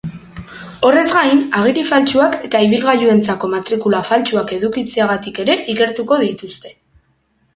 Horrez gain, agiri faltsuak eta ibilgailuentzako matrikula faltsuak edukitzeagatik ere ikertuko dituzte.